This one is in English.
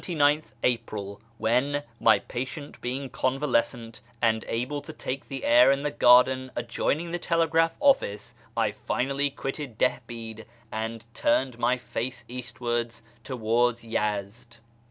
348 A YEAR AMONGST THE PERSIANS It was 29th April when, my patient being convalescent and able to take the air in the garden adjoining the telegraph office, I finally quitted Dihbfd and turned iny face eastwards towards Yezd.